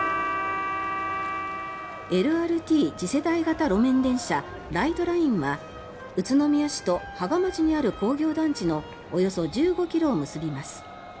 ＬＲＴ・次世代型路面電車ライトラインは宇都宮市と芳賀町にある工業団地のおよそ１５ｋｍを結びます。